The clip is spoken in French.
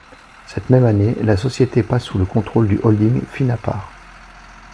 Cette même année, la société passe sous le contrôle du holding Finapar.